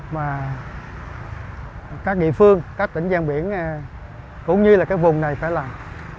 mà các địa phương các tỉnh gian biển cũng như là cái vùng này phải làm